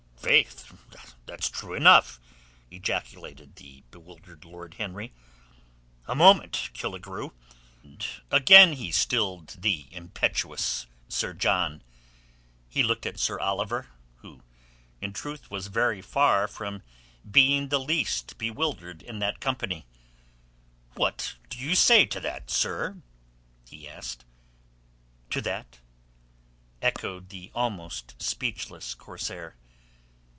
"Faith, that's true enough!" ejaculated the bewildered Lord Henry. "A moment, Killigrew!" And again he stilled the impetuous Sir John. He looked at Sir Oliver, who in truth was very far from being the least bewildered in that company. "What do you say to that, sir?" he asked. "To that?" echoed the almost speechless corsair.